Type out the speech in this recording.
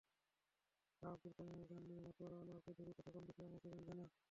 শাহ আবদুল করিমের গান নিয়ে মাতোয়ারা আনোয়ার চৌধুরীর কথা কমবেশি অনেকেরই জানা।